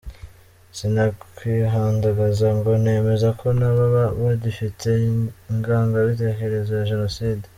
Sinakwihandagaza ngo nemeze ko ntababa bagifite ingangabitekerezo ya Jenoside.